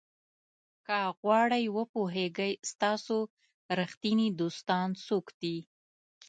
که غواړئ وپوهیږئ ستاسو ریښتیني دوستان څوک دي.